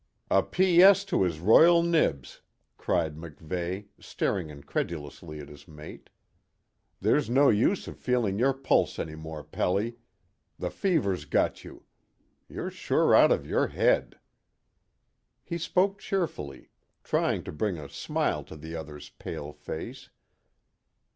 "A P. S. to his Royal Nibs!" cried MacVeigh, staring incredulously at his mate. "There's no use of feeling your pulse any more, Pelly. The fever's got you. You're sure out of your head." He spoke cheerfully, trying to bring a smile to the other's pale face.